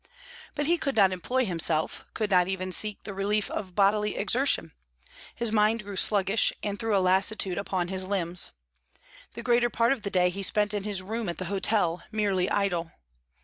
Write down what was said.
But he could not employ himself, could not even seek the relief of bodily exertion; his mind grew sluggish, and threw a lassitude upon his limbs. The greater part of the day he spent in his room at the hotel, merely idle.